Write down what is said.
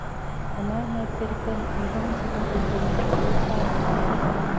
އަމާނާތްތެރިކަން މި ބަހުން ސިފަކޮށް ދެނީ ރޫޙާނީ ބާރު